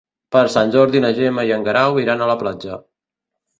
Per Sant Jordi na Gemma i en Guerau iran a la platja.